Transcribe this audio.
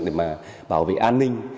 để mà bảo vệ an ninh